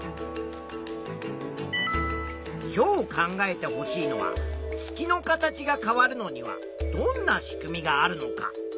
今日考えてほしいのは月の形が変わるのにはどんなしくみがあるのか。